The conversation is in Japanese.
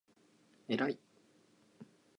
えらい！！！！！！！！！！！！！！！